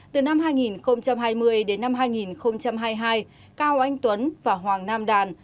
từ năm hai nghìn hai mươi đến năm hai nghìn hai mươi hai cao anh tuấn và hoàng nam đàn